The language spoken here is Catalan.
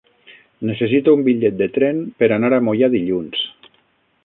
Necessito un bitllet de tren per anar a Moià dilluns.